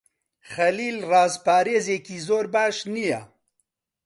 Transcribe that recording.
خەلیل ڕازپارێزێکی زۆر باش نییە.